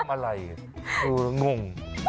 ทำอะไรงง